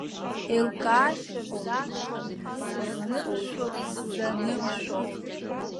Еилкаашьа рзаҭом сызнымшәо сзанымшәо.